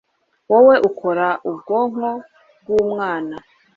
wowe ukora ubwonko bwumwana